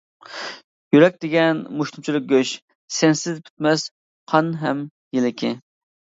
يۈرەك دېگەن مۇشتۇمچىلىك گۆش، سەنسىز پۈتمەس قان ھەم يىلىكى!